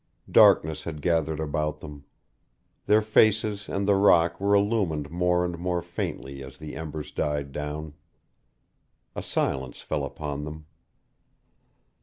Darkness had gathered about them. Their faces and the rock were illumined more and more faintly as the embers died down. A silence fell upon them.